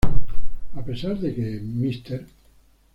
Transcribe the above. A pesar de que Mr.